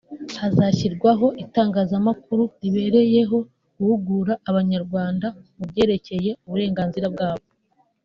Hazashyirwaho itangazamakuru ribereyeho guhugura abanyarwanda mu byerekeye uburenganzira bwabo